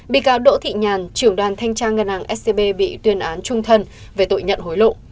bị cáo đỗ thị nhàn trưởng đoàn thanh tra ngân hàng scb bị tuyên án trung thân về tội nhận hối lộ